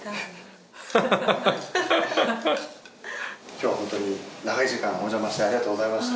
今日はホントに長い時間おじゃましてありがとうございました。